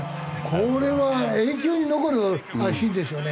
これは永久に残るシーンですよね。